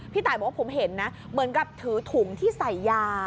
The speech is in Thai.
ตายบอกว่าผมเห็นนะเหมือนกับถือถุงที่ใส่ยา